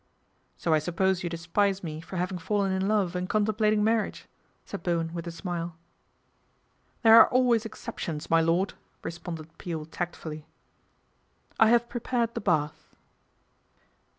" So I suppose you despise me for having fallen in love and contemplating marriage," said Bo wen with a smile. ' There are always exceptions, my lord," re sponded Peel tactfully. " I have prepared the bath."